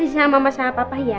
sama das sama papa